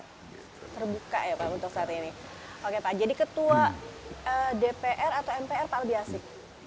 sudah terbuka ya pak untuk saat ini oke pak jadi ketua dpr atau mpr pak lebih asik